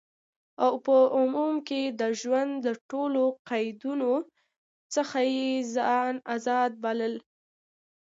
او په عموم کی د ژوند د ټولو قیدونو څخه یی ځان آزاد بلل،